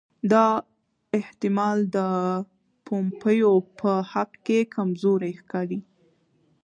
دا احتمال د پومپیو په حق کې کمزوری ښکاري.